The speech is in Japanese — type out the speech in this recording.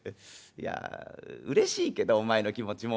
いやうれしいけどお前の気持ちも。